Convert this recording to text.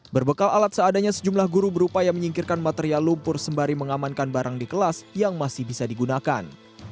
berbekal alat seadanya sejumlah guru berupaya menyingkirkan material lumpur sembari mengamankan barang di kelas yang masih bisa digunakan